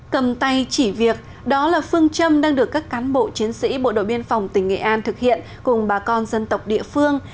cầm tay chỉ việc đó là phương châm đang được các cán bộ chiến sĩ bộ đội biên phòng tỉnh nghệ an thực hiện cùng bà con dân tộc địa phương